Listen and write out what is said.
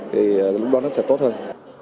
thì lúc đó nó sẽ tốt hơn